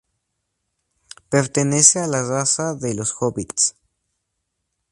Pertenece a la raza de los hobbits.